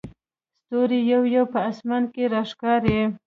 ستوري یو یو په اسمان کې راښکاري.